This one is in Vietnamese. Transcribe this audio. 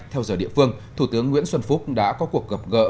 theo giờ địa phương thủ tướng nguyễn xuân phúc đã có cuộc gặp gỡ